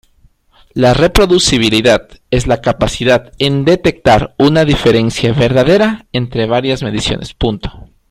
La reproducibilidad es la capacidad en detectar una diferencia verdadera entre varias mediciones.